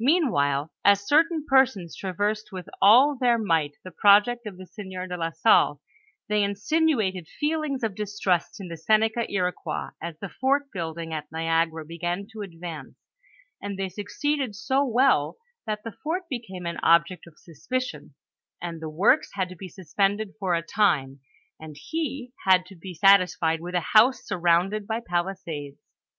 Meanwhile, as certain persons traversed with all their might the project of the sieur de la Salle, they insinuated feelings of distrust in the Seneca Iroquois as the fort building at Niagara began to advance, and they succeeded so well that the fort became an object of suspicion, and the works had to be suspended for a time, and he had to be sat* isfied with a house surrounded by palisades.